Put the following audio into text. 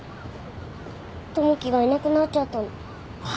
友樹がいなくなっちゃったの。